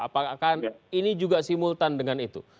apakah ini juga simultan dengan itu